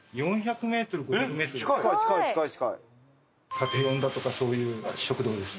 カツ丼だとかそういう食堂です。